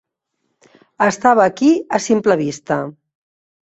Estava aquí, a simple vista!